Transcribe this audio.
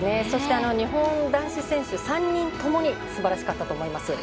そして日本男子選手３人ともに素晴らしかったと思います。